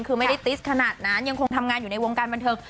คือไม่ได้ติ๊สขนาดนั้นยังคงทำงานอยู่ในวงการบันเทิง